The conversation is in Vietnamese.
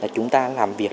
chúng ta làm việc